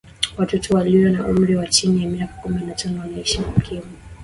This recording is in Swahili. watoto waliyo na umri wa chini ya mika kumi na tano wanaishi na ukimwi